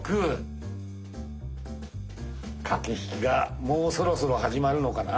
駆け引きがもうそろそろ始まるのかな。